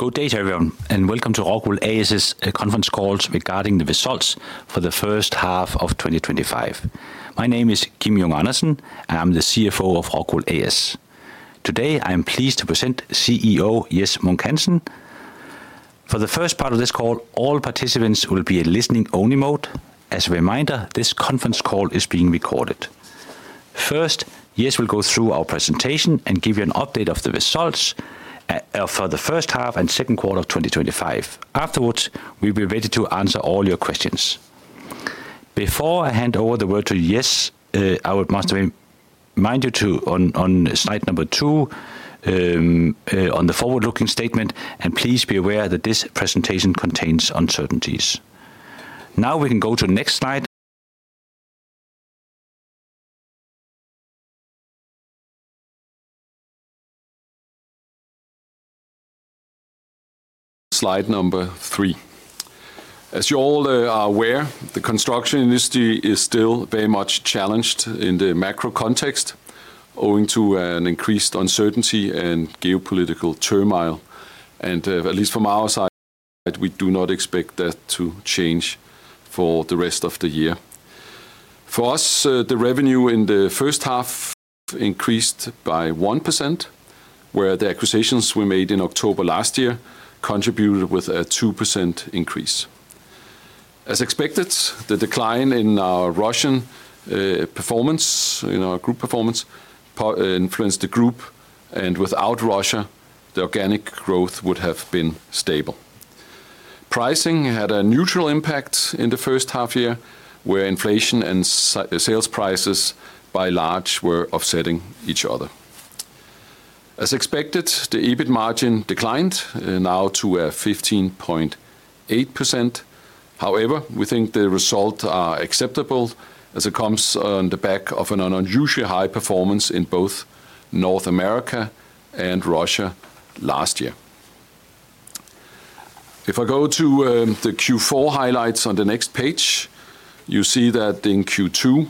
Good day to everyone and welcome to Rockwool A/S's conference call regarding the results for the first half of 2025. My name is Kim Junge Andersen and I'm the CFO of Rockwool A/S. Today I am pleased to present CEO Jes Munk Hansen. For the first part of this call, all participants will be in listening only mode. As a reminder, this conference call is being recorded. First, Jes will go through our presentation and give you an update of the results for the first half and second quarter of 2025. Afterwards we'll be ready to answer all your questions. Before I hand over the word to Jes, I would remind you to look on slide number two on the forward looking statement and please be aware that this presentation contains uncertainties. Now we can go to the next slide. I will start on slide number three, as you all are aware, the construction industry is still very much challenged in the macro context owing to increased uncertainty and geopolitical turmoil, and at least from our side, we do not expect that to change for the rest of the year. For us, the revenue in the first half increased by 1%, where the acquisitions we made in October last year contributed with a 2% increase. As expected, the decline in our Russian performance in our group performance influenced the group, and without Russia, the organic growth would have been stable. Pricing had a neutral impact in the first half year, where inflation and sales prices by large were offsetting each other. As expected, the EBIT margin declined now to 15.8%. However, we think the result is acceptable as it comes on the back of an unusually high performance in both North America and Russia last year. If I go to the Q4 highlights on the next page, you see that in Q2,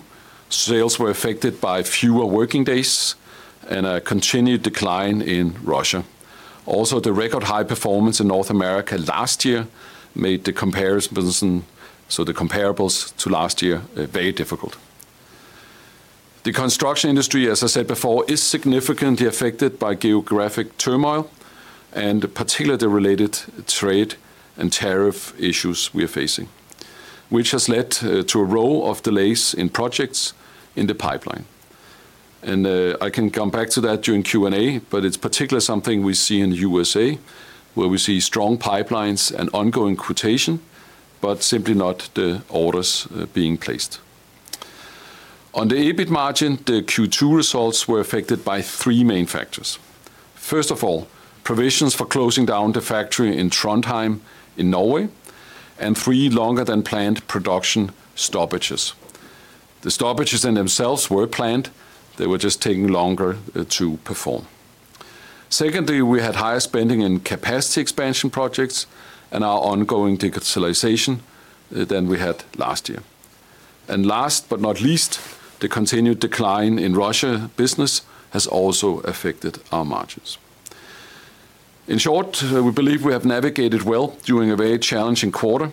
sales were affected by fewer working days and a continued decline in Russia. Also, the record high performance in North America last year made the comparables to last year very difficult. The construction industry, as I said before, is significantly affected by geographic turmoil and particularly related trade and tariff issues we are facing, which has led to a row of delays in projects in the pipeline. I can come back to that during Q&A, but it's particularly something we see in the U.S.A, where we see strong pipelines and ongoing quotation, but simply not the orders being placed. On the EBIT margin, the Q2 results were affected by three main factors. First of all, provisions for closing down the factory in Trondheim in Norway and three longer than planned production stoppages. The stoppages in themselves were planned, they were just taking longer to perform. Secondly, we had higher spending in capacity expansion projects and our ongoing decarbonization than we had last year. Last but not least, the continued decline in Russia business has also affected our margins. In short, we believe we have navigated well during a very challenging quarter,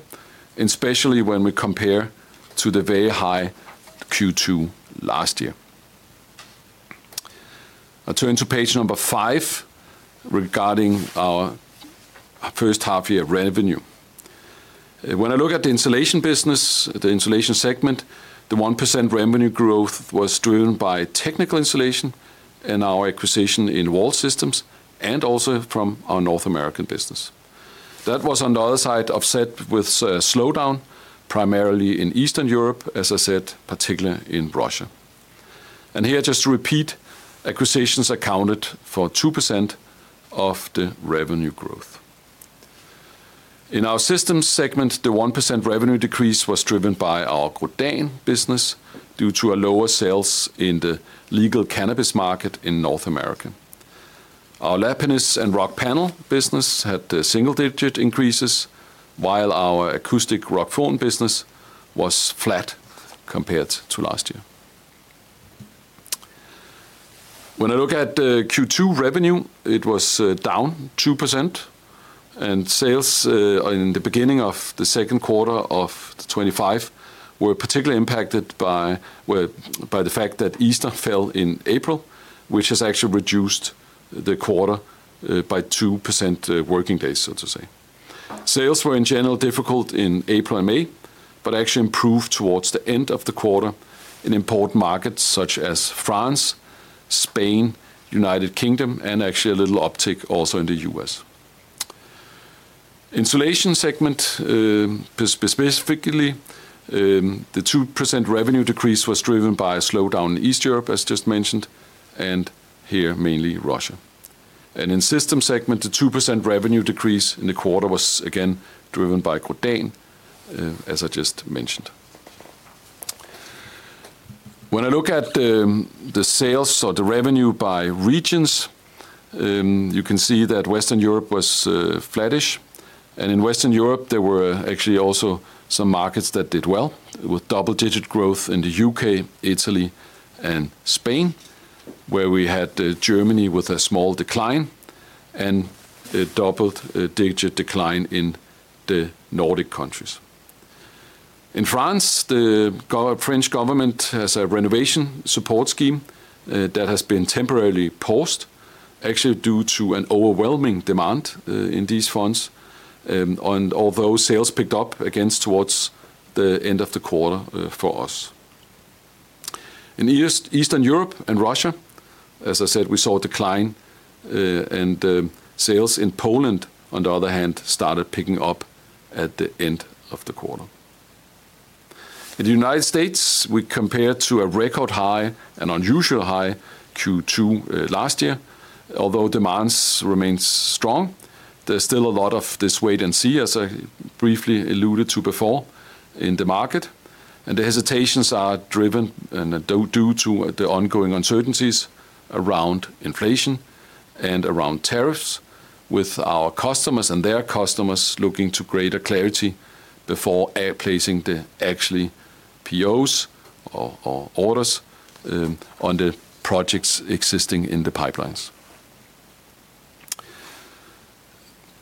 especially when we compare to the very high Q2 last year. I turn to page number five regarding our first half year revenue when I look at the insulation business. The insulation segment, the 1% revenue growth was driven by technical insulation and our acquisition in wall systems and also from our North American business. That was on the other side offset with slowdown, primarily in Eastern Europe as I said, particularly in Russia. Here, just to repeat, acquisitions accounted for 2% of the revenue growth in our systems segment. The 1% revenue decrease was driven by our Grodan business due to lower sales in the legal cannabis market. In North America, our Lapinus and Rockpanel business had single digit increases while our acoustic Rockfon business was flat. Compared to last year, when I look at the Q2 revenue, it was down 2%. Sales in the beginning of Q2 2025 were particularly impacted by the fact that Easter fell in April, which has actually reduced the quarter by 2% working days, so to say. Sales were in general difficult in April and May, but actually improved towards the end of the quarter in important markets such as France, Spain, United Kingdom, and actually a little uptick also in the U.S. insulation segment. Specifically, the 2% revenue decrease was driven by a slowdown in Eastern Europe as just mentioned, and here mainly Russia. In the Systems segment, the 2% revenue decrease in the quarter was again driven by Grodan. As I just mentioned, when I look at the sales or the revenue by regions, you can see that Western Europe was flattish. In Western Europe, there were actually also some markets that did well with double digit growth in the U.K., Italy, and Spain, where we had Germany with a small decline and a double digit decline in the Nordic countries. In France, the French government has a renovation support scheme that has been temporarily paused actually due to an overwhelming demand in these funds. Although sales picked up again towards the end of the quarter for us in Eastern Europe and Russia, as I said, we saw a decline, and sales in Poland on the other hand started picking up at the end of the quarter. In the United States, we compared to a record high, an unusually high Q2 last year. Although demand remains strong, there's still a lot of this wait and see as I briefly alluded to before in the market, and the hesitations are driven due to the ongoing uncertainties around inflation and around tariffs, with our customers and their customers looking to greater clarity before placing the actual POS or orders on the projects existing in the pipelines.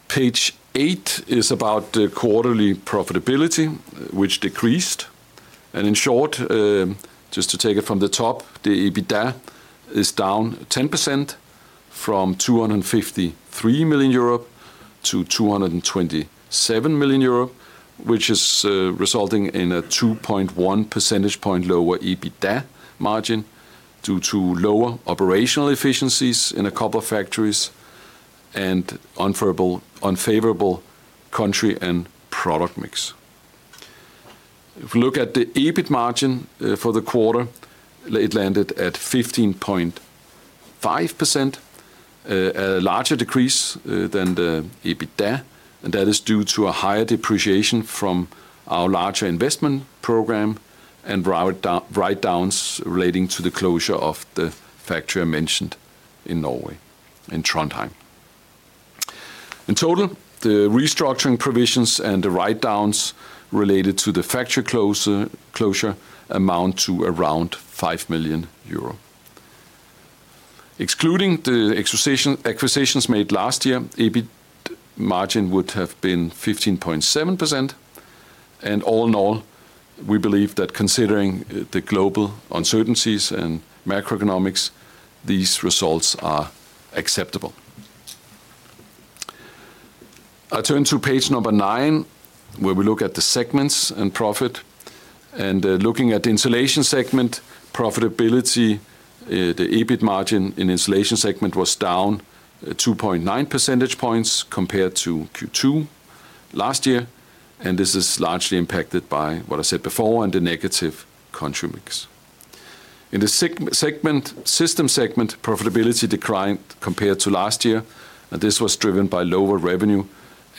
Page eight is about the quarterly profitability which decreased, and in short, just to take it from the top, the EBITDA is down 10% from €253 million-€227 million, which is resulting in a 2.1 percentage point lower EBITDA margin due to lower operational efficiencies in a couple of factories and unfavorable country and product mix. If we look at the EBIT margin for the quarter, it landed at 15.5%, a larger decrease than the EBITDA, and that is due to a higher depreciation from our larger investment program and write-downs relating to the closure of the factory I mentioned in Norway, in Trondheim. In total, the restructuring provisions and the write-downs related to the factory closure amount to around €5 million. Excluding the acquisitions made last year, EBIT margin would have been 15.7%, and all in all, we believe that considering the global uncertainties and macroeconomics, these results are acceptable. I turn to page number nine where we look at the segments and profit, and looking at the insulation segment profitability, the EBIT margin in the insulation segment was down 2.9 percentage points compared to Q2 last year, and this is largely impacted by what I said before, and the negative consumer in the system segment profitability declined compared to last year, and this was driven by lower revenue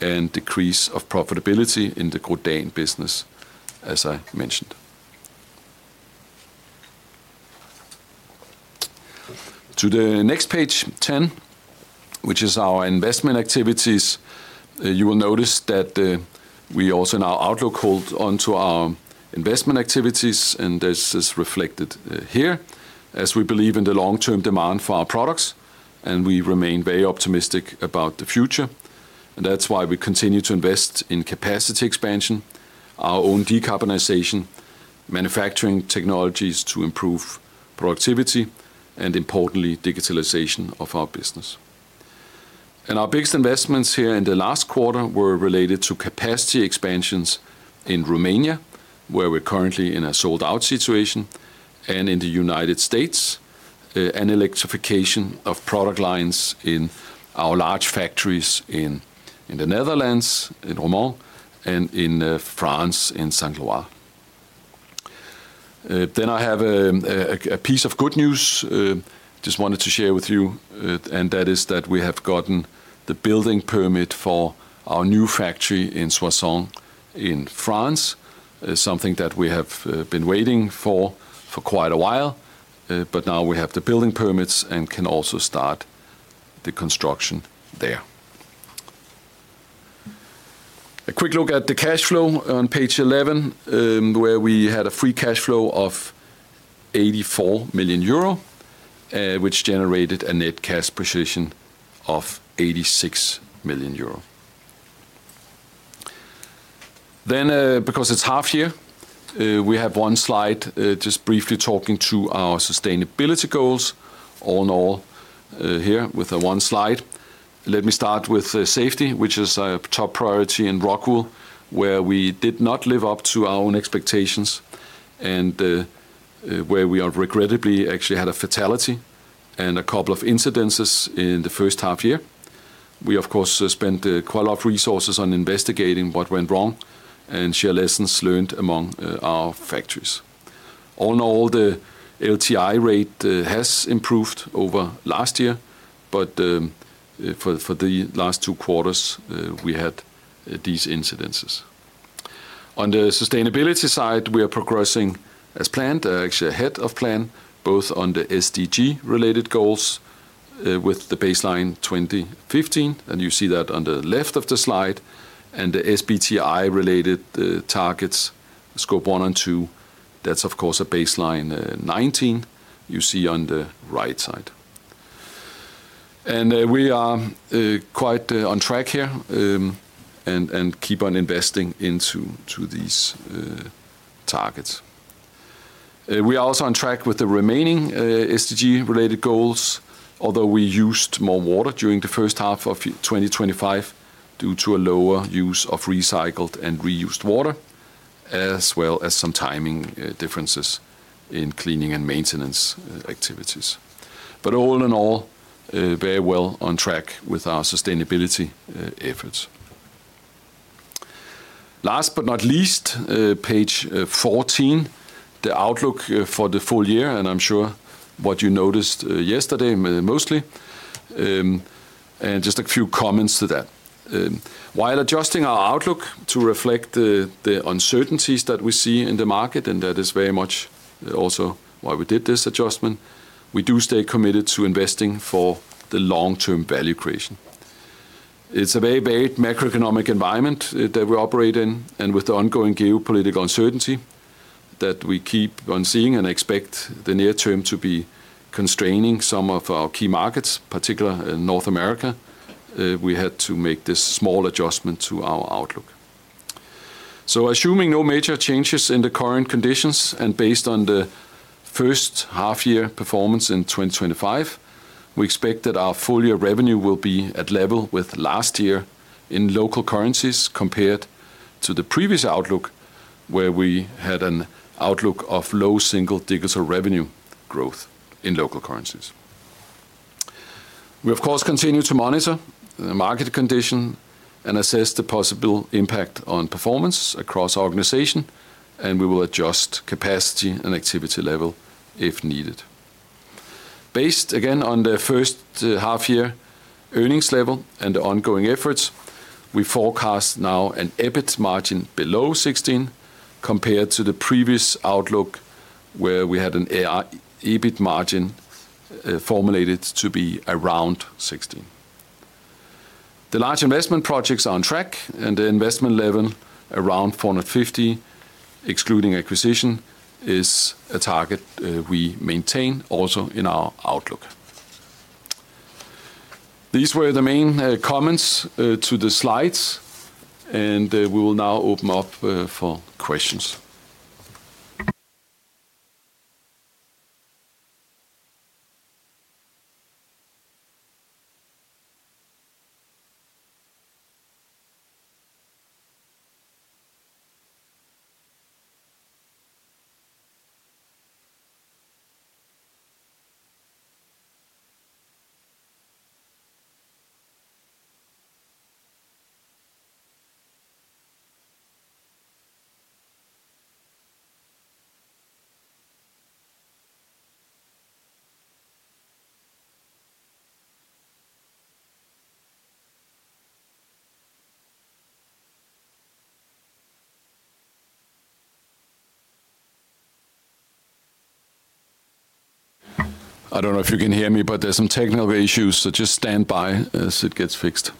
and decrease of profitability in the Gourdain business. As I mentioned to the next page, 10, which is our investment activities. You will notice that we also now outlook hold onto our investment activities, and this is reflected here as we believe in the long-term demand for our products, and we remain very optimistic about the future, and that's why we continue to invest in capacity expansion, our own decarbonization, manufacturing technologies to improve productivity, and importantly, digitalization of our business. Our biggest investments here in the last quarter were related to capacity expansions in Romania, where we're currently in a sold-out situation, and in the United States, and electrification of product lines in our large factories in the Netherlands, in Romania, and in France in Saint-Loire. I have a piece of good news I just wanted to share with you, and that is that we have gotten the building permit for our new factory in Soissons in France. It is something that we have been waiting for for quite a while, but now we have the building permits and can also start the construction there. A quick look at the cash flow on page 11 where we had a free cash flow of €84 million, which generated a net cash appreciation of €86 million. Because it's half year, we have one slide just briefly talking to our sustainability goals. All in all here with the one slide, let me start with safety, which is a top priority in Rockwool, where we did not live up to our own expectations and where we regrettably actually had a fatality and a couple of incidences in the first half year. We of course spent quite a lot of resources on investigating what went wrong and shared lessons learned among our factories. All in all, the LTI rate has improved over last year, but for the last two quarters we had these incidences. On the sustainability side, we are progressing as planned, actually ahead of plan both on the SDG-related goals with the baseline 2015, and you see that on the left of the slide, and the SBTI-related targets scope one and two. That's of course a baseline 2019 you see on the right side, and we are quite on track here and keep on investing into these targets. We are also on track with the remaining SDG-related goals, although we used more water during the first half of 2025 due to a lower use of recycled and reused water as well as some timing differences in cleaning and maintenance activities. All in all, very well on track with our sustainability efforts. Last but not least, page 14, the outlook for the full year, and I'm sure what you noticed yesterday mostly and just a few comments to that, while adjusting our outlook to reflect the uncertainties that we see in the market and that is very much also why we did this adjustment, we do stay committed to investing for the long-term value creation. It's a very bad macro-economic environment that we operate in, and with the ongoing geopolitical uncertainty that we keep on seeing and expect the near term to be constraining some of our key markets, particularly in North America, we had to make this small adjustment to our outlook. Assuming no major changes in the current conditions and based on the first half year performance in 2025, we expect that our full year revenue will be at level with last year in local currencies. Compared to the previous outlook where we had an outlook of low single digits of revenue growth in local currencies, we of course continue to monitor the market condition and assess the possible impact on performance across our organization, and we will adjust capacity and activity level if needed. Based again on the first half year earnings level and the ongoing efforts, we forecast now an EBIT margin below 16% compared to the previous outlook where we had an EBIT margin formulated to be around 16%. The large investment projects are on track, and the investment level around €450 million excluding acquisitions is a target we maintain also in our outlook. These were the main comments to the slides, and we will now open up for questions. I don't know if you can hear me, but there are some technical issues, so just stand by as it gets fixed.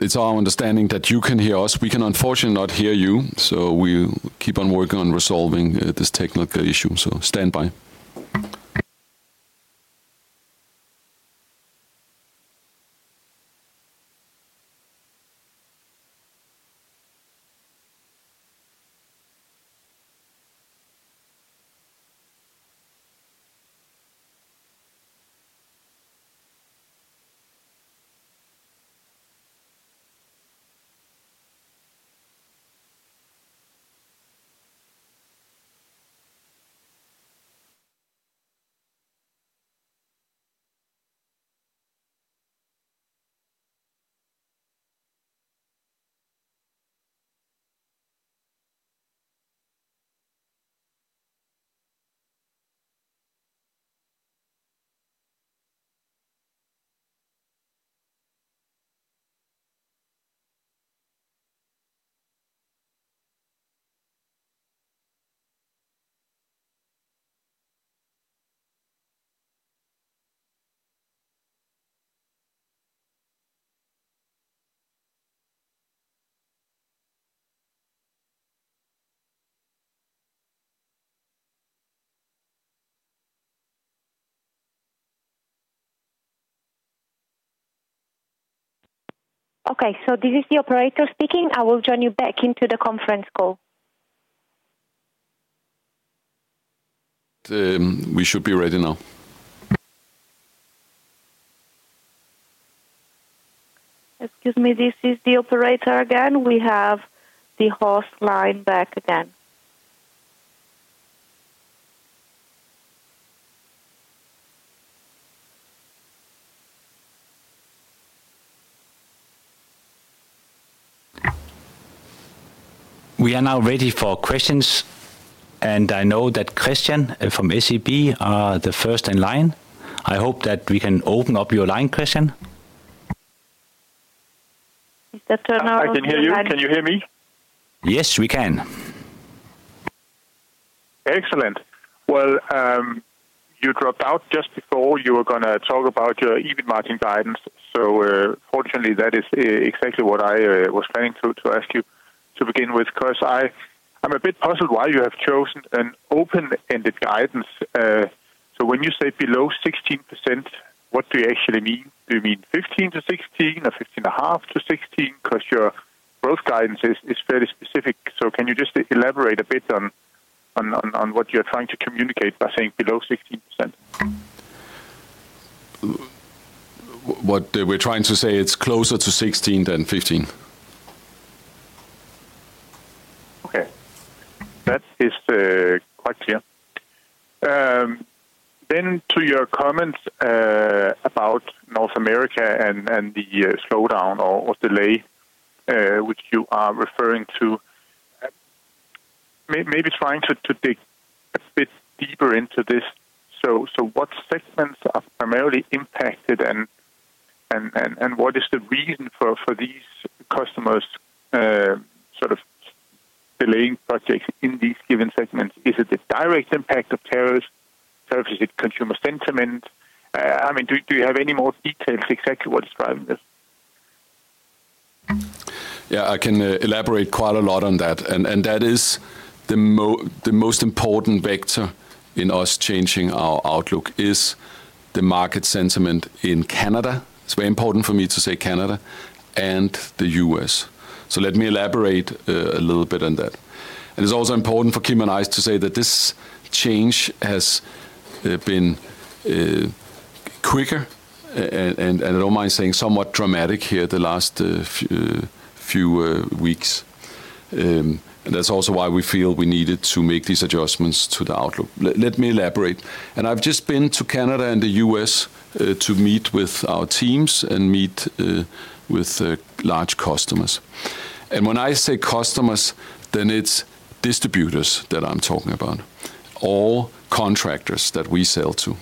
It's our understanding that you can hear us. We can unfortunately not hear you. We keep on working on resolving this technical issue. Stand by. Okay, this is the operator speaking. I will join you back into the conference call. We should be ready now. Excuse me, this is the operator again. We have the host line back again. We are now ready for questions, and I know that Kristian from SEB is the first in line. I hope that we can open up your line, Kristian. I can hear you. Can you hear me? Yes, we can. Excellent. You dropped out just before you were going to talk about your EBIT margin guidance. Fortunately, that is exactly what I was planning to ask you to begin with because I'm a bit puzzled why you have chosen an open-ended guidance. When you say below 16%, what do you actually mean? Do you mean 15%-16% or 15.5%-16%? Your growth guidance is fairly specific. Can you just elaborate a bit on what you're trying to communicate by saying below 16%? What they were trying to say? It's closer to 16% than 15%. That is quite clear. To your comments about North America and the slowdown or delay which you are referring to, maybe trying to dig a bit deeper into this. What segments are primarily impacted and what is the reason for these customers sort of delaying projects in these given segments? Is it the direct impact of tariffs? Is it consumer sentiment? Do you have any more details exactly what's driving this? Yeah, I can elaborate quite a lot on that. That is the most important vector in us changing our outlook, the market sentiment in Canada. It's very important for me to say Canada and the U.S., so let me elaborate a little bit on that. It's also important for Kim and I to say that this change has been quicker, and I don't mind saying somewhat dramatic here the last few weeks. That's also why we feel we needed to make these adjustments to the outlook. Let me elaborate. I've just been to Canada and the U.S. to meet with our teams and meet with large customers. When I say customers, it's distributors that I'm talking about, all contractors that we sell to,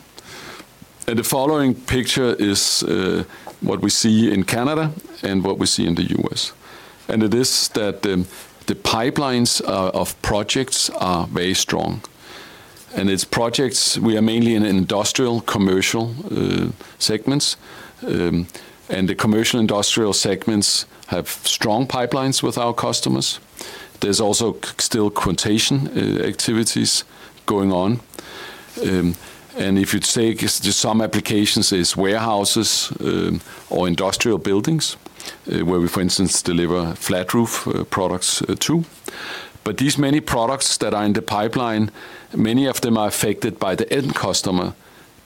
and the following picture is what we see in Canada and what we see in the U.S. The pipelines of projects are very strong, and it's projects we are mainly in industrial commercial segments, and the commercial industrial segments have strong pipelines with our customers. There's also still quotation activities going on. If you take some applications, there's warehouses or industrial buildings where we, for instance, deliver flat roof products to. These many products that are in the pipeline, many of them are affected by the end customer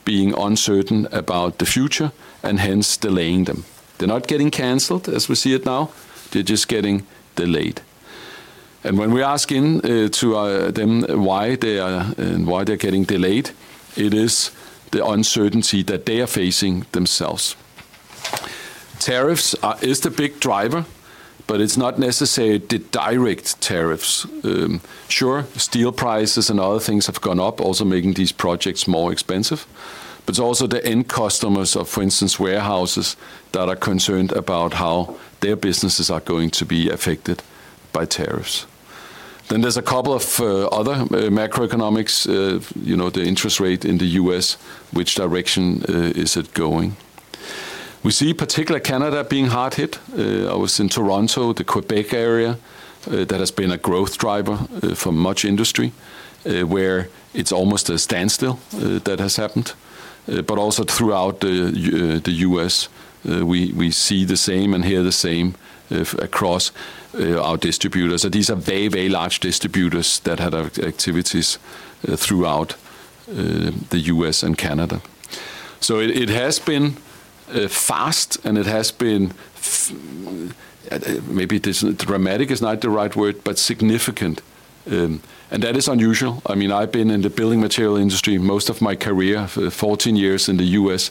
being uncertain about the future and hence delaying them. They're not getting canceled as we see it now, they're just getting delayed. When we ask them why they are and why they're getting delayed, it is the uncertainty that they are facing themselves. Tariffs is the big driver, but it's not necessarily the direct tariffs. Sure, steel prices and other things have gone up, also making these projects more expensive, but also the end customers of, for instance, warehouses that are concerned about how their businesses are going to be affected by tariffs. There are a couple of other macro-economic challenges, you know, the interest rate in the U.S., which direction is it going? We see particular Canada being hard hit. I was in Toronto, the Quebec area. That has been a growth driver for much industry where it's almost a standstill that has happened. Also, throughout the U.S., we see the same and hear the same across our distributors. These are very, very large distributors, companies that had activities throughout the U.S. and Canada. It has been fast, and it has been, maybe dramatic is not the right word, but significant. That is unusual. I mean, I've been in the building material industry most of my career for 14 years in the U.S.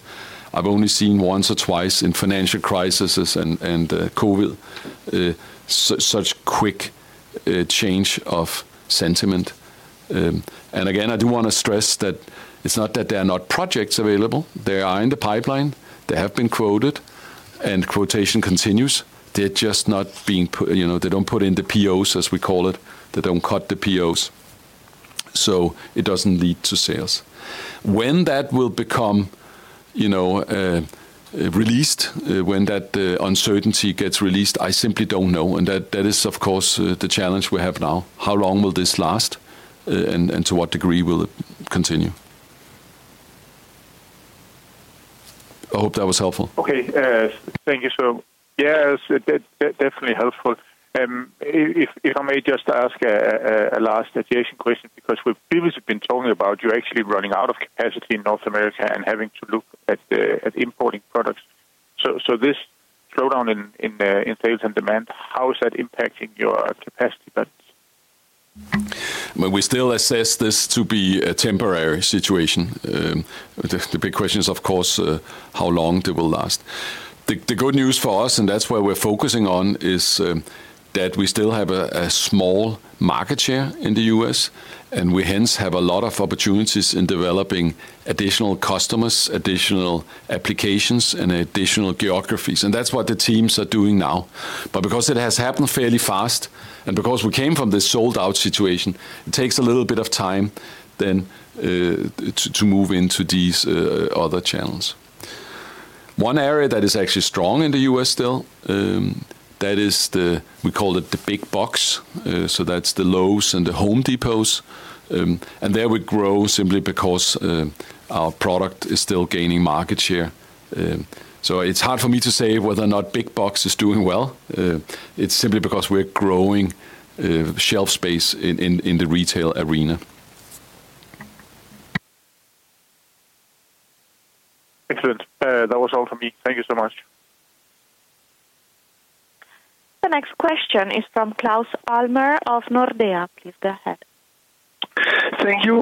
I've only seen once or twice in financial crisis and COVID such quick change of sentiment. I do want to stress that it's not that there are not projects available. They are in the pipeline, they have been quoted and quotation continues. They're just not being put, you know, they don't put in the POs as we call it. They don't cut the POs so it doesn't lead to sales. When that will become, you know, released, when that uncertainty gets released, I simply don't know. That is of course the challenge we have now. How long will this last and to what degree will it continue? I hope that was helpful. Okay, thank you. Yes, definitely helpful. If I may just ask a last adjacent question because we've previously been talking about you actually running out of capacity in North America and having to look at importing products. This slowdown in sales and demand, how is that impacting your capacity? We still assess this to be a temporary situation. The big question is, of course, how long they will last. The good news for us, and that's why we're focusing on it, is that we still have a small market share in the U.S. and we hence have a lot of opportunities in developing additional customers, additional applications, and additional geographies. That's what the team are doing now. Because it has happened fairly fast and because we came from this sold out situation, it takes a little bit of time to move into these other channels. One area that is actually strong in the U.S. still is the, we call it the big box. That's the Lowe's and the Home Depots. There we grow simply because our product is still gaining market share. It's hard for me to say whether or not big box is doing well. It's simply because we're growing shelf space in the retail arena. Excellent. That was all for me. Thank you so much. The next question is from Claus Almer of Nordea Markets. Please go ahead.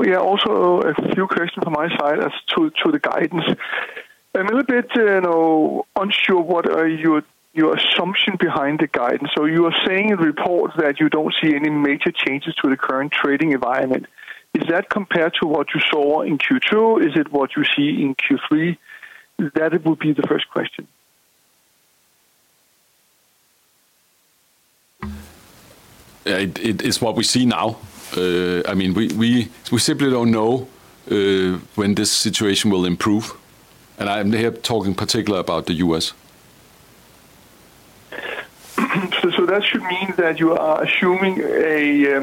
Yeah, also a few questions from my side as to the guidance. A little bit, you know, unsure. What are your assumption behind the guidance? You are saying in reports that you don't see any major changes to the current trading environment. Is that compared to what you saw in Q2? Is it what you see in Q3? That would be the first question. It is what we see now. We simply don't know when this situation will improve. I'm here talking particularly about the U.S. That should mean that you are assuming a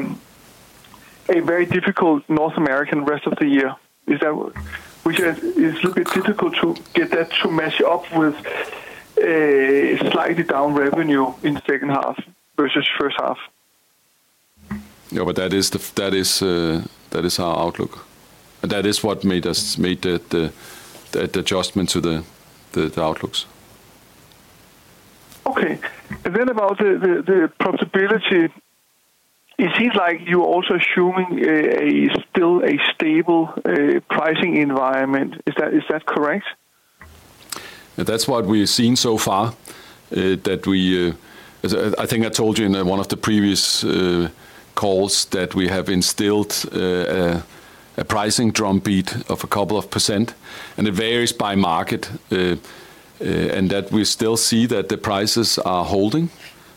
very difficult North American rest of the year, which is a little bit difficult to get that to match up with a slightly down revenue in the second half versus first half. No, that is our outlook. That is what made that adjustment to the outlooks. Okay, about the profitability, is it like you're also assuming still a stable pricing environment, is that correct? That's what we're seeing so far. I think I told you in one of the previous calls that we have instilled a pricing drum beat of a couple of percent and it varies by market, and that we still see that the prices are holding,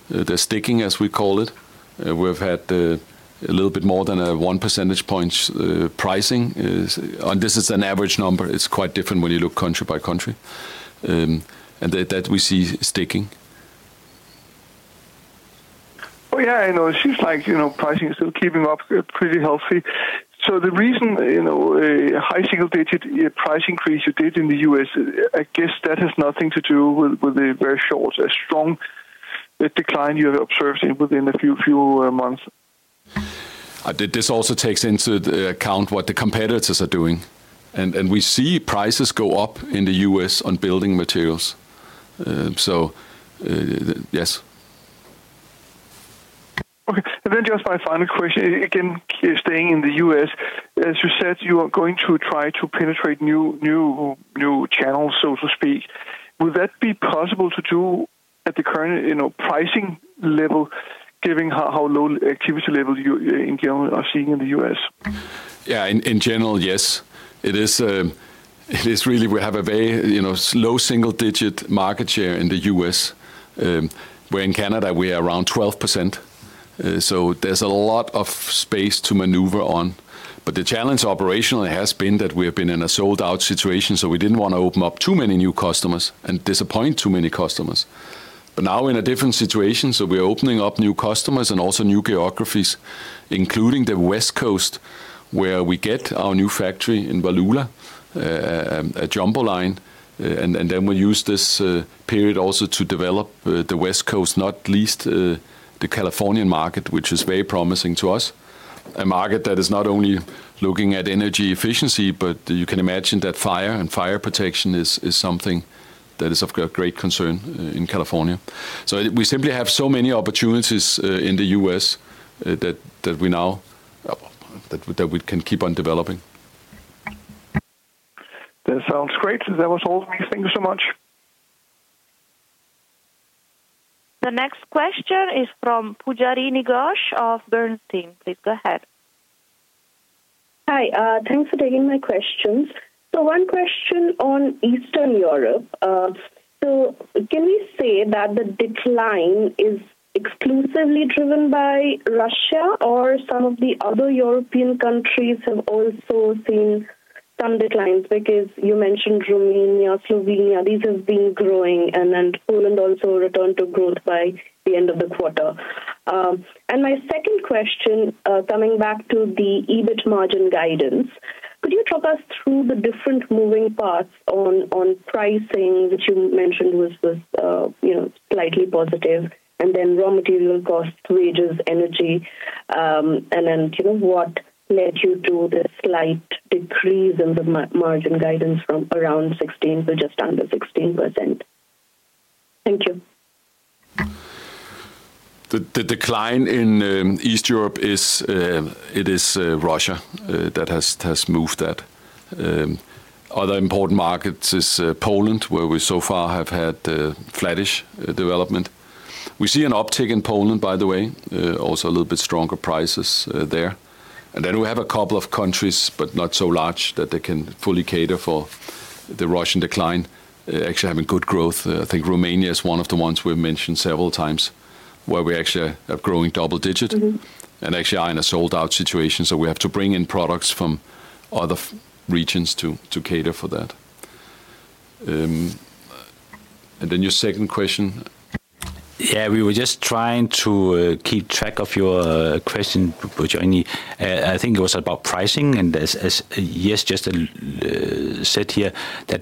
they're sticking as we call it. We've had a little bit more than a 1% pricing and this is an average number. It's quite different when you look country by country, and that we see sticking. Oh yeah, I know it seems like, you know, pricing is still keeping up pretty healthy. The reason, you know, a high single digit price increase you did in the U.S., I guess that has nothing to do with the very short, a strong decline you have observed within a few months. This also takes into account what the competitors are doing, and we see prices go up in the U.S. on building materials. Yes. Okay. Just my final question, again staying in the U.S., as you said, you are going to try to penetrate new channels, so to speak. Would that be possible to do at the current, you know, pricing level, given how low activity level you in general are seeing in the U.S.? General, yes, it is. It is really. We have a very low single digit market share in the U.S. where in Canada we are around 12%. There is a lot of space to maneuver on. The challenge operationally has been that we have been in a sold out situation. We did not want to open up too many new customers and disappoint too many customers. Now in a different situation, we are opening up new customers and also new geographies, including the West Coast where we get our new factory in Wallula, a Jumbo line. We use this period also to develop the West Coast, not least the Californian market, which is very promising to us. A market that is not only looking at energy efficiency, but you can imagine that fire and fire protection is something that is of great concern in California. We simply have so many opportunities in the U.S. that we now know we can keep on developing. That sounds great. That was all. Thank you so much. The next question is from Pujarini Ghosh of Bernstein.. Please go ahead. Hi, thanks for taking my questions. One question on Eastern Europe. Can we say that the decline is exclusively driven by Russia, or have some of the other European countries also seen some declines? You mentioned Romania, Slovenia, these have been growing, and Poland also returned to growth by the end of the quarter. My second question, coming back to the EBIT margin guidance, could you talk us through the different moving parts on pricing, which you mentioned was slightly positive, and then raw material, cost, wages, energy, and what led you to this slight decrease in the margin guidance from around 16% to just under 16%? The decline in Eastern Europe is it is Russia that has moved. That other important market is Poland where we so far have had flattish development. We see an uptick in Poland by the way, also a little bit stronger prices there. We have a couple of countries, but not so large that they can fully cater for the Russian decline, actually having good growth. I think Romania is one of the ones we've mentioned several times where we actually are growing double digit and actually are in a sold out situation. We have to bring in products from other regions to cater for that. Then your second question. Yeah, we were just trying to keep track of your question. I think it was about pricing. As Jes just said here,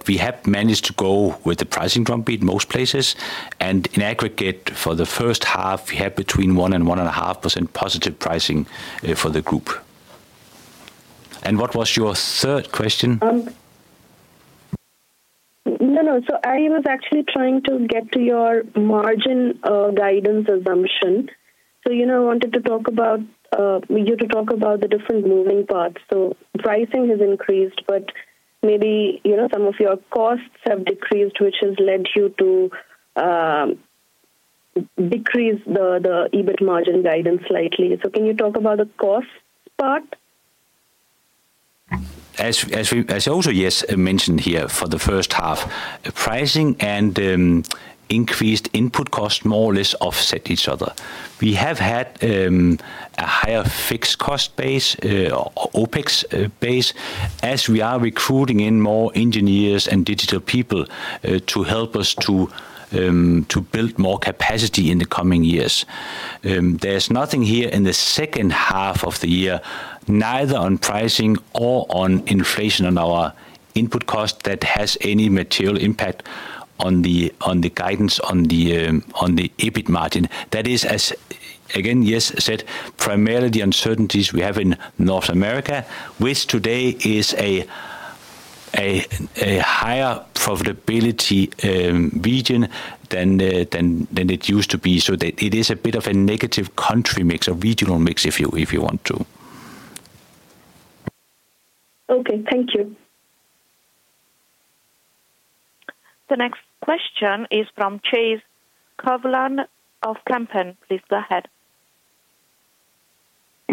we have managed to go with the pricing drumbeat most places, and in aggregate for the first half we had between 1% and 1.5% positive pricing for the group. What was your third question? No, I was actually trying to get to your margin guidance assumption. I wanted to talk about the different moving parts. Pricing has increased, but maybe some of your costs have decreased, which has led you to decrease the EBIT margin guidance slightly. Can you talk about the cost part? As mentioned here for the first half, pricing and increased input costs more or less offset each other. We have had a higher fixed cost base, OpEx base, as we are recruiting in more engineers and digital people to help us to build more capacity in the coming years. There is nothing here in the second half of the year, neither on pricing or on inflation, on our input cost that has any material impact on the guidance on the EBIT margin. That is, as said, primarily the uncertainties we have in North America, which today is a higher profitability region than it used to be. It is a bit of a negative country mix, a regional mix if you want to. Okay, thank you. The next question is from Chase Koblan of Kempen. Please go ahead.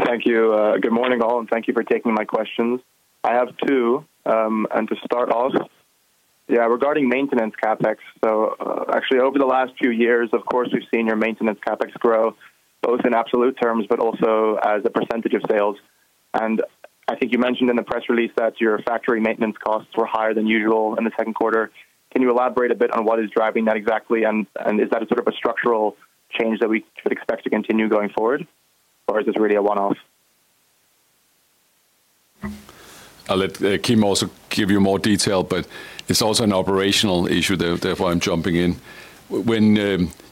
Thank you. Good morning all, and thank you for taking my questions. I have two. To start off, regarding maintenance capex, over the last few years we've seen your maintenance capex grow both in absolute terms and as a percentage of sales. I think you mentioned in the press release that your factory maintenance costs were higher than usual in the second quarter. Can you elaborate a bit on what is driving that exactly? Is that a sort of structural change that we would expect to continue going forward, or is this really a one off? I'll let Kim also give you more detail, but it's also an operational issue, therefore I'm jumping in. When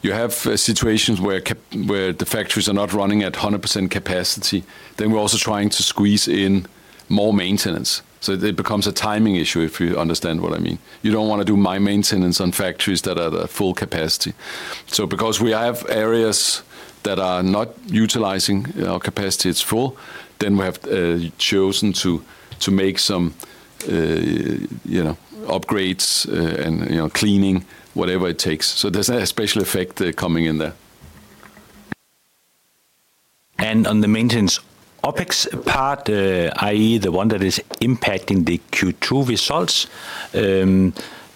you have situations where the factories are not running at 100% capacity, then we're also trying to squeeze in more maintenance, so it becomes a timing issue, if you understand what I mean. You don't want to do maintenance on factories that are at full capacity. Because we have areas that are not utilizing our capacity fully, we have chosen to make some upgrades and cleaning, whatever it takes. There's a special effect coming in there. On the maintenance OpEx part, that is the one that is impacting the Q2 results.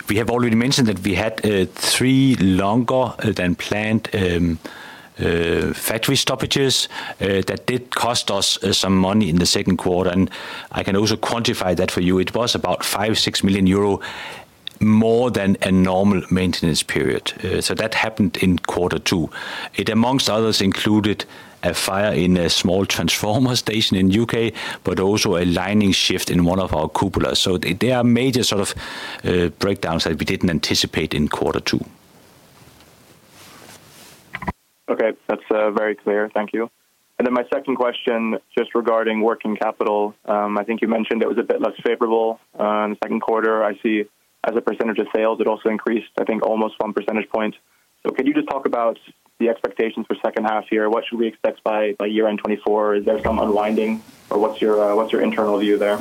We have already mentioned that we had three longer than planned factory stoppages that did cost us some money in the second quarter. I can also quantify that for you. It was about €5.6 million more than a normal maintenance period. That happened in quarter two. It, amongst others, included a fire in a small transformer station in the U.K., but also a lining shift in one of our cupolas. There are major sort of breakdowns that we didn't anticipate in quarter two. Okay, that's very clear, thank you. My second question, just regarding working capital, I think you mentioned it was a bit less favorable second quarter. I see as a percentage of sales it also increased, I think almost 1 percentage points. Can you just talk about the expectations for second half year? What should we expect by year end 2024? Is there some unwinding or what's your internal view there?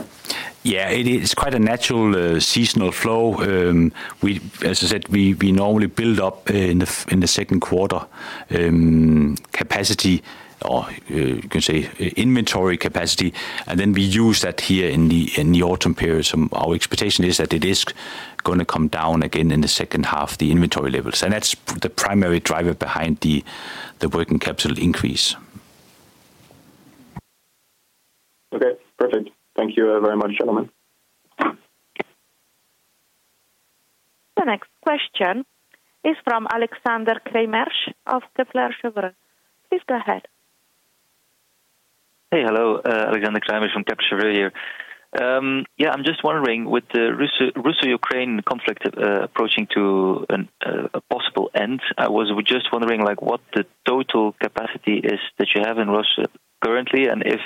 Yeah, it is quite a natural seasonal flow. As I said, we normally build up in the second quarter capacity, or you can say inventory capacity, and then we use that here in the autumn period. Our expectation is that it is going to come down again in the second half, the inventory levels, and that's the primary driver behind the working capital increase. Okay, perfect. Thank you very much, gentlemen. The next question is from Alexander Craeymeersch of Kepler Cheuvreux. Please go ahead. Hey. Hello. Alexander Craeymeersch of Kepler Cheuvreux I'm just wondering, with the Russia-Ukraine conflict approaching a possible end, I was just wondering what the total capacity is that you have in Russia currently, and if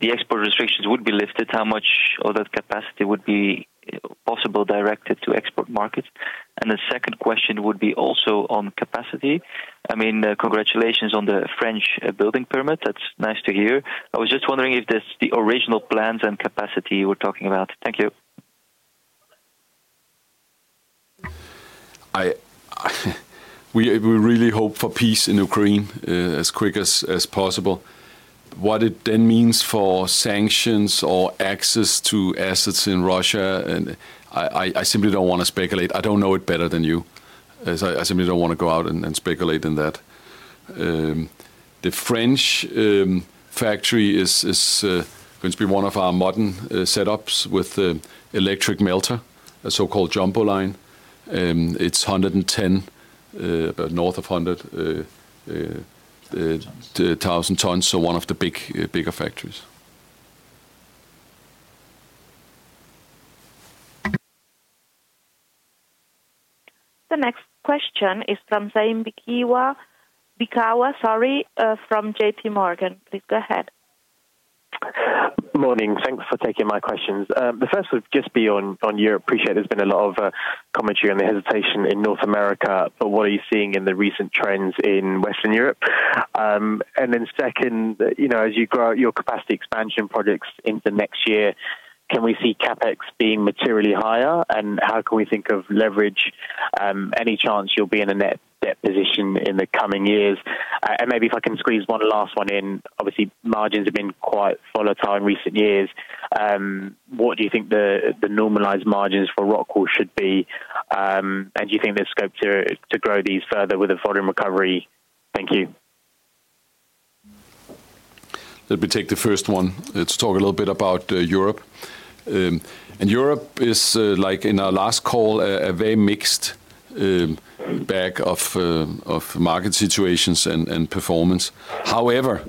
the export restrictions would be lifted, how much of that capacity would be possible to direct to export markets? The second question would be also on capacity. Congratulations on the French building permit, that's nice to hear. I was just wondering if that's the original plans and capacity we're talking about. Thank you. We really hope for peace in Ukraine as quick as possible. What it then means for sanctions or access to assets in Russia, I simply don't want to speculate. I don't know it better than you. I simply don't want to go out and speculate in that. The French factory is going to be one of our modern setups with the electric melter, a so-called jumbo line. It's north of 100,000 tons, so one of the bigger factories. The next question is from Zaim Beekawa, sorry, from JPMorgan. Please go ahead. Morning. Thanks for taking my questions. The first would just be on Europe. Appreciate there's been a lot of commentary on the hesitation in North America, but what are you seeing in the recent trends in Western Europe? The second, as you grow your capacity expansion projects in the next year, can we see CapEx being materially higher and how can we think of leverage? Any chance you'll be in a net debt position in the coming years and maybe if I can squeeze one last one in. Obviously margins have been quite volatile in recent years. What do you think the normalized margins for Rockwool should be? Do you think there's scope to grow these further with a volume recovery? Thank you. Let me take the first one. Let's talk a little bit about Europe, and Europe is like in our last call, a very mixed bag of market situations and performance. However,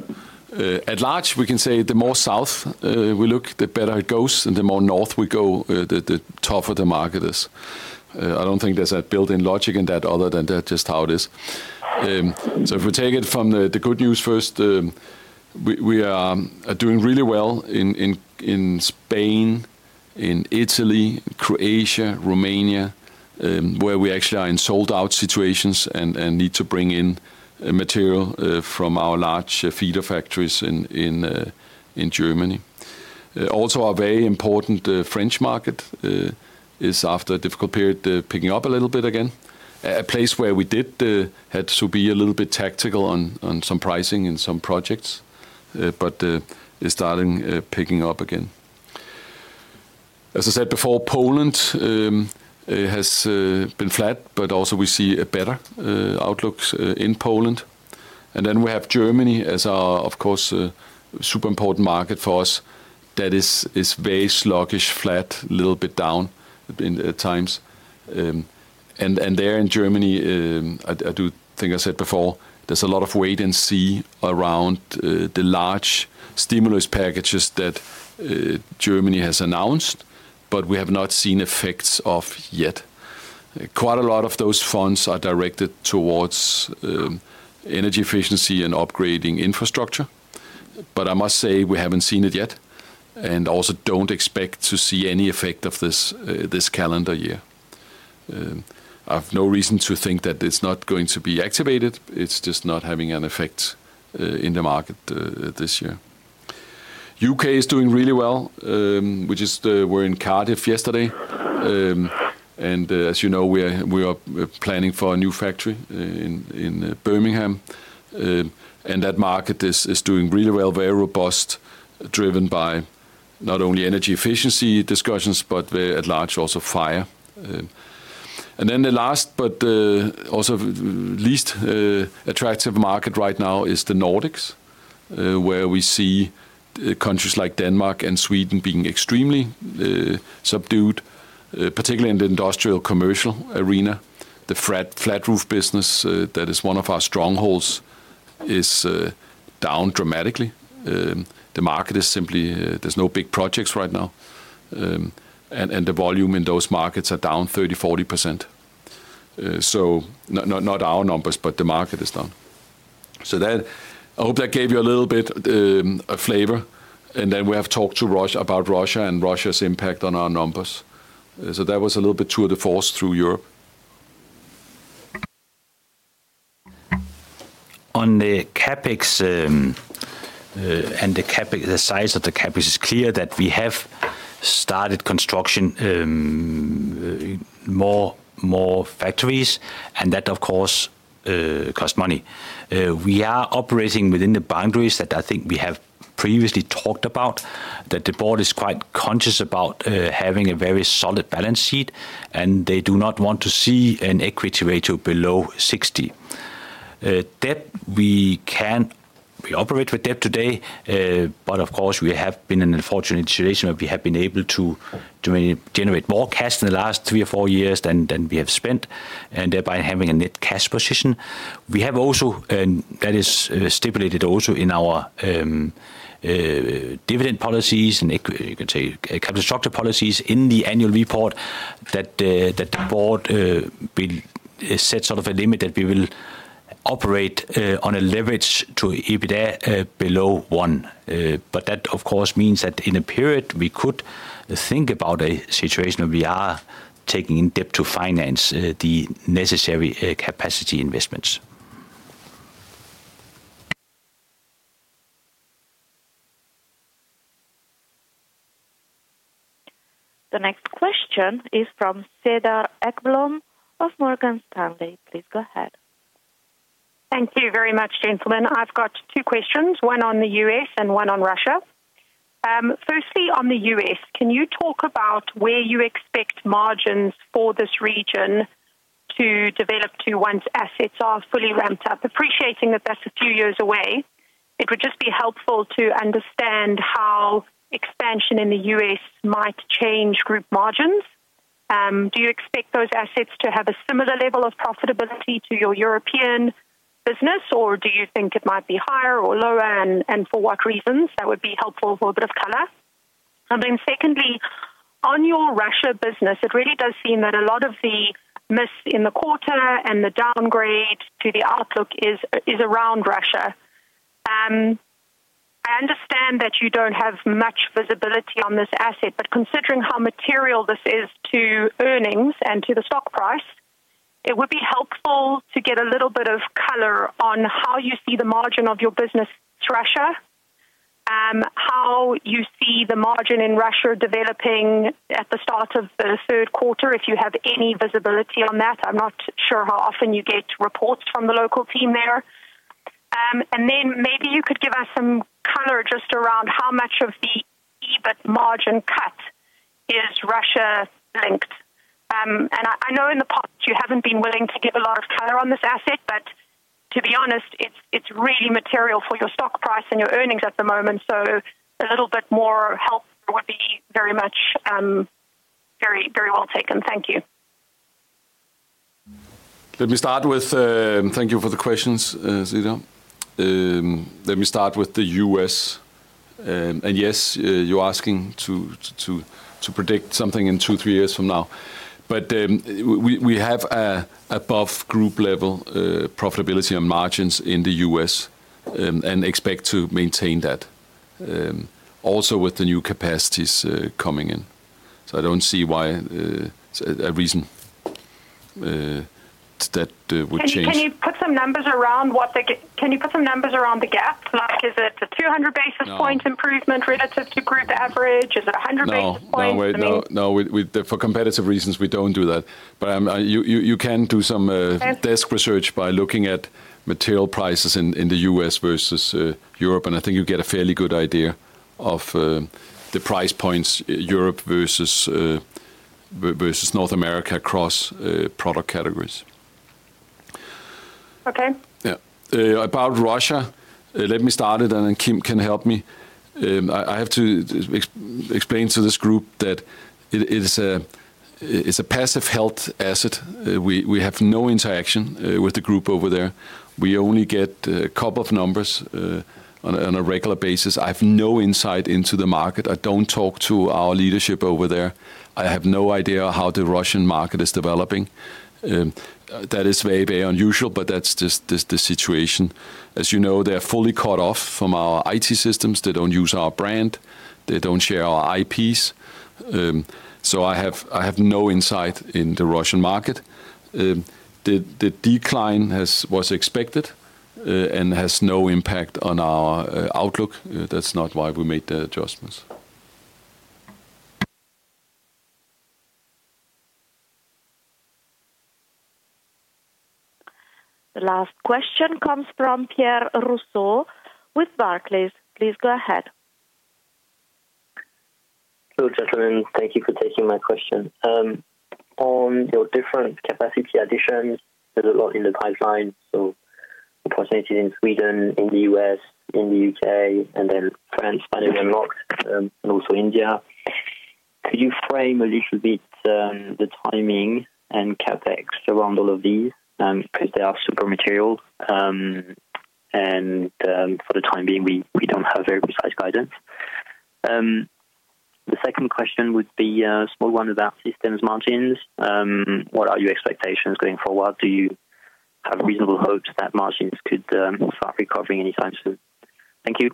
at large we can say the more south we look, the better it goes, and the more north we go, the tougher the market is. I don't think there's a built-in logic in that other than that's just how it is. If we take it from the good news first, we are doing really well in Spain, in Italy, Croatia, Romania, where we actually are in sold out situations and need to bring in material from our large feeder factories. In Germany, also a very important French market is after a difficult period picking up a little bit again, a place where we did have to be a little bit tactical on some pricing in some projects, but it's starting picking up again. As I said before, Poland has been flat, but also we see a better outlook in Poland. We have Germany as, of course, a super important market for us that is very sluggish, flat, a little bit down at times. In Germany, I said before there's a lot of wait and see around the large stimulus packages that Germany has announced, but we have not seen effects of yet. Quite a lot of those funds are directed towards energy efficiency and upgrading infrastructure, but I must say we haven't seen it yet and also don't expect to see any effect of this calendar year. I have no reason to think that it's not going to be activated, it's just not having an effect in the market this year. U.K. is doing really well. We just were in Cardiff yesterday, and as you know, we are planning for a new factory in Birmingham. That market is doing really well, very robust, driven by not only energy efficiency discussions, but at large also fire. The last but also least attractive market right now is the Nordics, where we see countries like Denmark and Sweden being extremely subdued, particularly in the industrial commercial arena. The flat roof business that is one of our strongholds is down dramatically. The market is simply there's no big projects right now, and the volume in those markets are down 30%, 40%. Not our numbers, but the market is down. I hope that gave you a little bit of flavor. We have talked to Russia about Russia and Russia's impact on our numbers. That was a little bit tour de force through Europe. On the CapEx. The size of the CapEx is clear that we have started construction of more factories and that of course costs money. We are operating within the boundaries that I think we have previously talked about. The board is quite conscious about having a very solid balance sheet and they do not want to see an equity ratio below 60%. Debt, we can operate with debt today, but of course we have been in an unfortunate situation where we have been able to generate more cash in the last three or four years than we have spent and thereby having a net cash position. We have also, and that is stipulated also in our dividend policies and you can say capital structure policies in the annual report, that the board has set sort of a limit that we will operate on a leverage to EBITDA below one. That of course means that in a period we could think about a situation where we are taking in debt to finance the necessary capacity investments. The next question is from Cedar Ekblom of Morgan Stanley. Please go ahead. Thank you very much, gentlemen. I've got two questions, one on the U.S. and one on Russia. Firstly on the U.S., can you talk about where you expect margins for this region to develop to once assets are fully ramped up? Appreciating that that's a few years away. It would just be helpful to understand how expansion in the U.S. might change group margins. Do you expect those assets to have a similar level of profitability to your European business or do you think it might be higher or lower and for what reasons? That would be helpful for a bit of color. Secondly, on your Russia business, it really does seem that a lot of the miss in the quarter and the downgrade to the outlook is around Russia. I understand that you don't have much visibility on this asset, but considering how material this is to earnings and to the stock price, it would be helpful to get a little bit of color on how you see the margin of your business to Russia, how you see the margin in Russia developing at the start of the third quarter, if you have any visibility on that. I'm not sure how often you get reports from the local team there and maybe you could give us some color just around how much of the EBIT margin cut is Russia linked. I know in the past you haven't been willing to give a lot of color on this asset, but to be honest, it's really material for your stock price and your earnings at the moment. A little bit more help would be very much, very, very well taken. Thank you. Thank you for the questions. Let me start with the U.S., and yes, you're asking to predict something in two, three years from now, but we have above group level profitability on margins in the U.S. and expect to maintain that also with the new capacities coming in. I don't see why a reason that would change. Can you put some numbers around the gaps? Like is it a 200 basis point improvement relative to group average? Is it 100 basis points? No, for competitive reasons we don't do that. You can do some desk research by looking at material prices in the U.S. versus Europe, and I think you get a fairly good idea of the price points Europe versus North America across product categories. Okay, yeah, about Russia, let me start it and then Kim can help me. I have to explain to this group that it's a passive asset. We have no interaction with the group over there. We only get a couple of numbers on a regular basis. I have no insight into the market. I don't talk to our leadership over there. I have no idea how the Russian market is developing. That is very, very unusual. That's the situation. As you know, they're fully cut off from our IT systems. They don't use our brand, they don't share our IPs. I have no insight. In the Russian market, the decline was expected and has no impact on our outlook. That's not why we made that adjustment. The last question comes from Pierre Rousseau with Barclays.. Please go ahead. Thank you for taking my question on your different capacity additions. There's a lot in the pipeline, so possibilities in Sweden, in the U.S., in the U.K., and then finally unlocked and also India. Could you frame a little bit the timing and CapEx around all of these because they are super material, and for the time being we don't have very precise guidance. The second question would be a small one about systems margins. What are your expectations going forward? Do you have reasonable hopes that margins could or start recovering anytime soon? Thank you.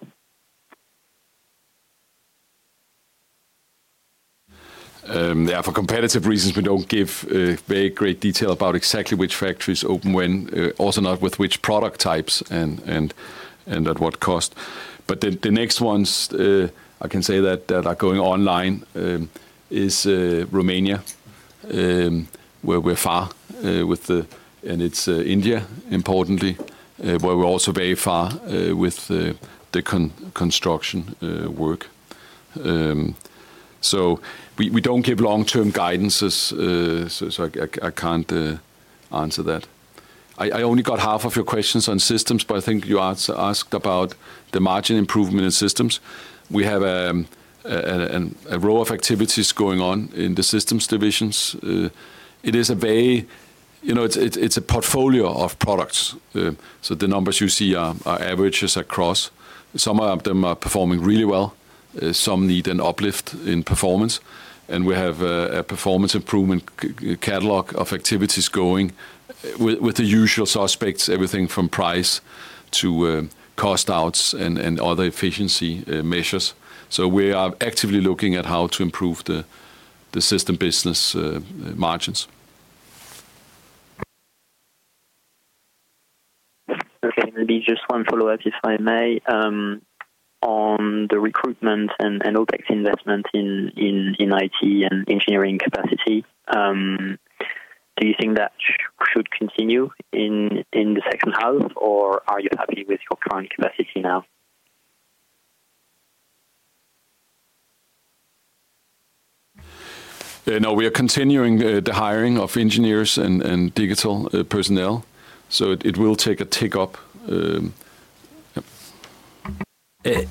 For competitive reasons, we don't give very great detail about exactly which factories open when, also not with which product types and at what cost. The next ones I can say that are going online are Romania, where we're far with the, and it's India, importantly, where we're also very far with the construction work. We don't give long-term guidances, so I can't answer that. I only got half of your questions on systems, but I think you asked about the margin improvement in systems. We have a row of activities going on in the systems divisions. It is a very, you know, it's a portfolio of products, so the numbers you see are averages across. Some of them are performing really well, some need an uplift in performance, and we have a performance improvement catalog of activities going with the usual suspects, everything from price to cost outs and other efficiency measures. We are actively looking at how to improve the system business margins. Okay, maybe just one follow-up if I may on the recruitment and OpEx investment in IT and engineering capacity. Do you think that should continue in the second half, or are you happy with your current capacity now? We are continuing the hiring of engineers and digital personnel, so it will take a tick up.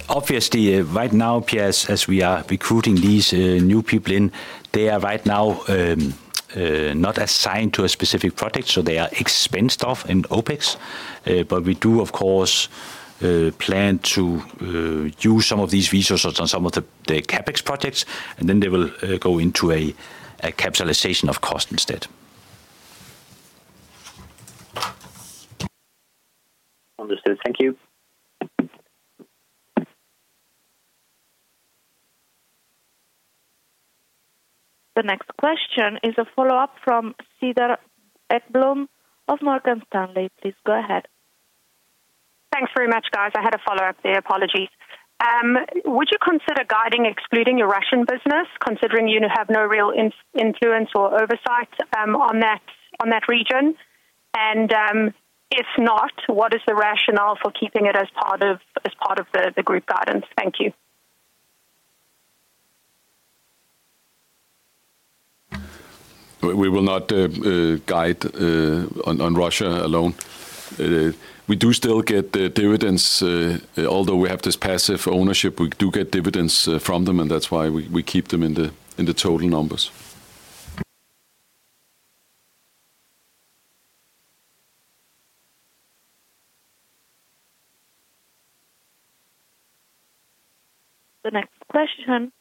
Obviously right now, Pierre, as we are recruiting these new people in, they are right now not assigned to a specific project, so they are expensed off in OpEx. We do of course plan to use some of these resources on some of the CapEx projects, and then they will go into a capitalization of cost instead. Understood, thank you. The next question is a follow-up from Cedar Ekblom of Morgan Stanley. Please go ahead. Thanks very much, guys. I had a follow-up there. Apologies. Would you consider guiding excluding your Russian business considering you have no real influence or oversight on that region? If not, what is the rationale for keeping it as part of the group guidance? Thank you. We will not guide on Russia alone. We do still get the dividends. Although we have this passive ownership, we do get dividends from them, and that's why we keep them in the total numbers. The next question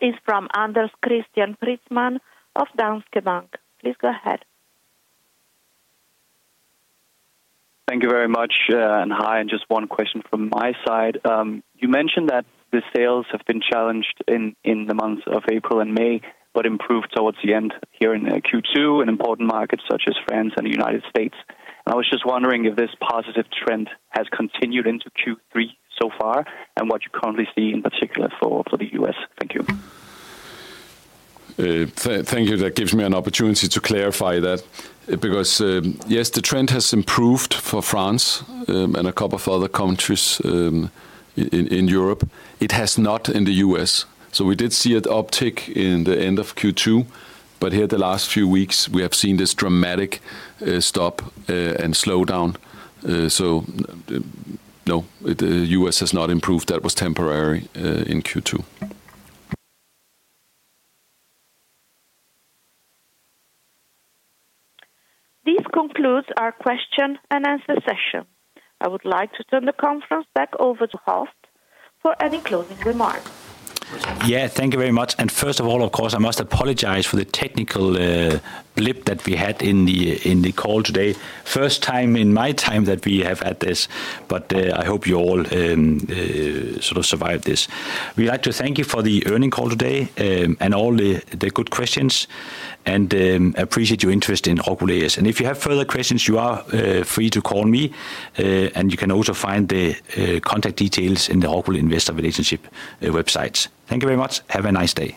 is from Anders Christian Preetzmann of Danske Bank. Please go ahead. Thank you very much. Hi, just one question from my side. You mentioned that the sales have been challenged in the months of April and May, but improved towards the end here in Q2 in important markets such as France and the U.S. I was just wondering if this positive trend has continued into Q3 so far and what you currently see in particular in the U.S. Thank you. Thank you. That gives me an opportunity to clarify that because, yes, the trend has improved for France and a couple of other countries in Europe. It has not in the U.S. We did see an uptick in the end of Q2, but here the last few weeks we have seen this dramatic stop and slowdown. No, the U.S. has not improved. That was temporary in Q2. This concludes our question-and answer-session. I would like to turn the conference back over to Kim for any closing remarks. Thank you very much. First of all, of course I must apologize for the technical blip that we had in the call today. First time in my time that we have had this. I hope you all sort of survived this. We'd like to thank you for the earnings call today and all the good questions and appreciate your interest in Rockwool. If you have further questions, you are free to call me and you can also find the contact details in the Investor Relations website. Thank you very much. Have a nice day.